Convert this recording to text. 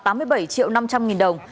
tám mươi bảy triệu năm trăm linh nghìn đồng